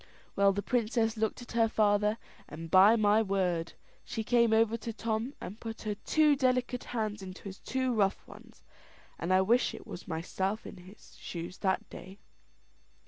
Well, the princess looked at her father, and by my word, she came over to Tom, and put her two delicate hands into his two rough ones, and I wish it was myself was in his shoes that day!